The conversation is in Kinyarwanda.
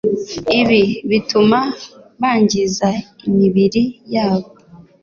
Ibi bituma bangiza imibiri yabo